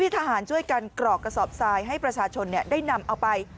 ทหารช่วยกันกรอกกระสอบทรายให้ประชาชนได้นำเอาไป